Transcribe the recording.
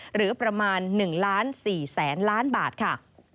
หรือประมาณ๑ล้าน๔แสนล้านบาทค่ะ